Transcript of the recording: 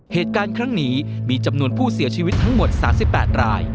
เหตุการณ์ครั้งนี้มีจำนวนผู้เสียชีวิตทั้งหมด๓๘ราย